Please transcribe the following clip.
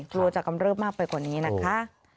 กลัวจะกำเริบมากไปกว่านี้นะคะ